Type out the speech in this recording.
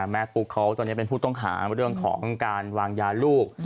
ปุ๊กเขาตอนนี้เป็นผู้ต้องหาเรื่องของการวางยาลูก